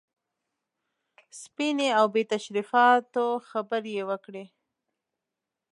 سپینې او بې تشریفاتو خبرې یې وکړې.